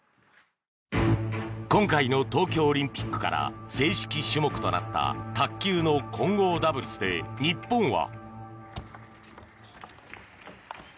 今回の東京オリンピックから正式種目となった卓球の混合ダブルスで日本は。